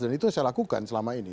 dan itu saya lakukan selama ini